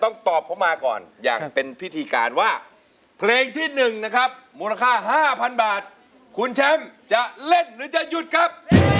งานละครับ